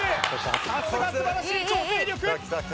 さすが素晴らしい調整力